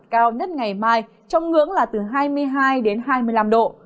cao nhất ngày mai trong ngưỡng là từ hai mươi hai đến hai mươi năm độ